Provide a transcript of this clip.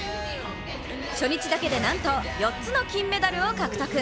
初日だけでなんと４つの金メダルを獲得。